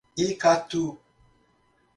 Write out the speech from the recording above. Icatu